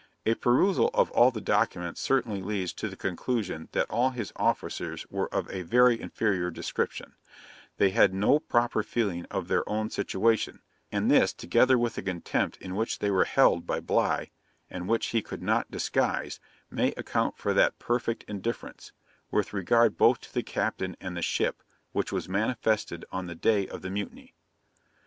A perusal of all the documents certainly leads to the conclusion that all his officers were of a very inferior description; they had no proper feeling of their own situation; and this, together with the contempt in which they were held by Bligh, and which he could not disguise, may account for that perfect indifference, with regard both to the captain and the ship, which was manifested on the day of the mutiny.